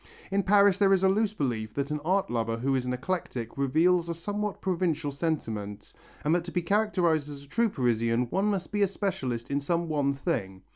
In Paris there is a loose belief that an art lover who is an eclectic reveals a somewhat provincial sentiment, and that to be characterized as a true Parisian one must be a specialist in some one thing.